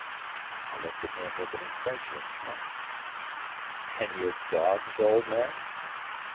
I looked at him with an incredulous smile. "And your dogs, old man?"